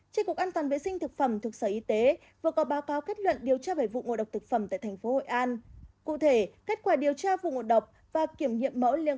trên cuộc an toàn vệ sinh thực phẩm thuộc sở y tế vừa có báo cáo kết luận điều tra về vụ ngộ độc thực phẩm tại tp hội an